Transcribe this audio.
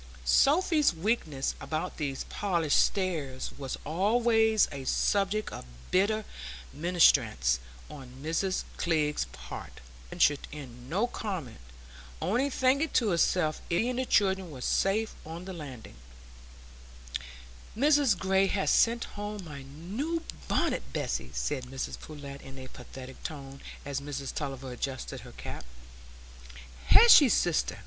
Sophy's weakness about these polished stairs was always a subject of bitter remonstrance on Mrs Glegg's part; but Mrs Tulliver ventured on no comment, only thinking to herself it was a mercy when she and the children were safe on the landing. "Mrs Gray has sent home my new bonnet, Bessy," said Mrs Pullet, in a pathetic tone, as Mrs Tulliver adjusted her cap. "Has she, sister?"